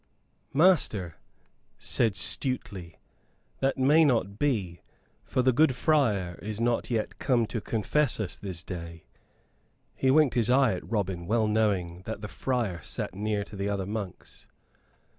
"Master," said Stuteley, "that may not be, for the good friar is not yet come to confess us this day." He winked his eyes at Robin, well knowing that the friar sat near to the other monks.